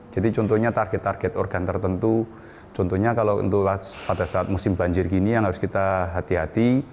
jadi contohnya target target organ tertentu contohnya kalau pada saat musim banjir gini yang harus kita hati hati